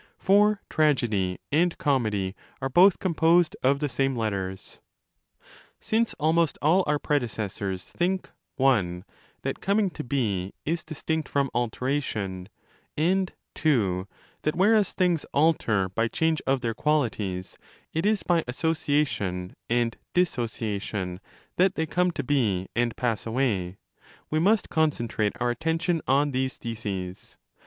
For Tragedy and Comedy are both composed of the same letters. ; Since almost all our predecessors think (i) that coming to be is distinct from 'alteration', and (ii) that, whereas things 'alter' by change of their qualities, it is by 'asso ciation' and ' dissociation' that they come to be and pass away, we must concentrate our attention on these theses.